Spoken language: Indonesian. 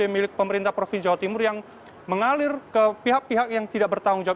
milik pemerintah provinsi jawa timur yang mengalir ke pihak pihak yang tidak bertanggung jawab